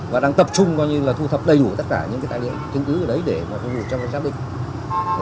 và đang tập trung coi như là thu thập đầy đủ tất cả những cái tài liệu chứng cứ ở đấy để phục vụ trong cái xác định